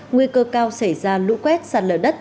nguy cơ cao xảy ra lũ quét sạt lở đất